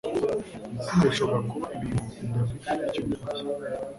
ibitsina bishobora kuba ibintu bidafite icyo bitwaye